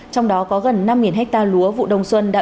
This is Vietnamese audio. trong đó có gần năm ha lúa vụ đồng xuân